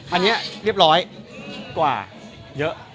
อันนี้เรียบร้อยกว่าเยอะ